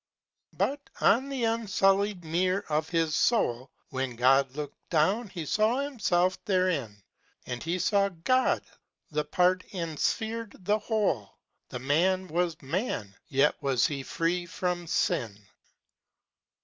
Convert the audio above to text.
But on the unsullied mirror of His soul, When God looked down, He saw Himself therein. And He saw God â the part ensphered the whole â The Man was man, yet was He free from sin.